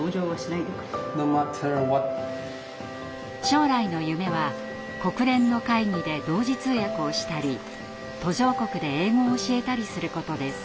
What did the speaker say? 将来の夢は国連の会議で同時通訳をしたり途上国で英語を教えたりすることです。